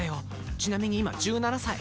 ちなみに今１７歳。